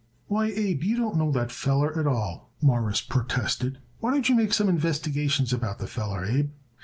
"Why, Abe, you don't know the feller at all," Morris protested. "Why don't you make some investigations about the feller, Abe?"